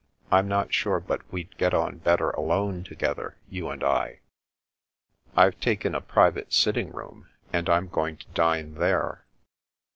I'm not sure but we'd get on better alone together, you and I." " I've taken a private sitting room, and I'm going to dine there."